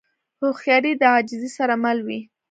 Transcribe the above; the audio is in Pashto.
هوښیاري د عاجزۍ سره مل وي.